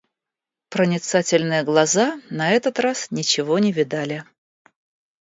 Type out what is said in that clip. Проницательные глаза на этот раз ничего не видали.